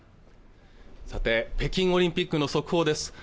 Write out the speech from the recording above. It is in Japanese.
北京オリンピックの速報です